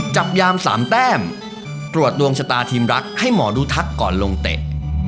จับยามสามแต้มตรวจดวงชะตาทีมรักให้หมอดูทักก่อนลงเตะ